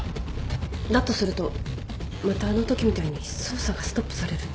だとするとまたあのときみたいに捜査がストップされるんじゃ。